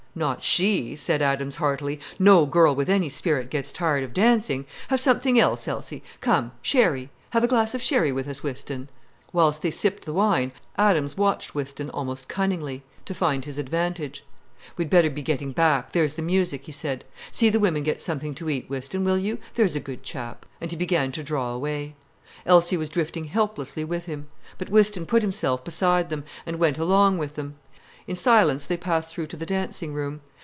"Not she," said Adams heartily. "No girl with any spirit gets tired of dancing.—Have something else, Elsie. Come—sherry. Have a glass of sherry with us, Whiston." Whilst they sipped the wine, Adams watched Whiston almost cunningly, to find his advantage. "We'd better be getting back—there's the music," he said. "See the women get something to eat, Whiston, will you, there's a good chap." And he began to draw away. Elsie was drifting helplessly with him. But Whiston put himself beside them, and went along with them. In silence they passed through to the dancing room.